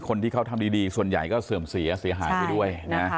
คนที่เขาทำดีส่วนใหญ่ก็เสื่อมเสียเสียหายไปด้วยนะ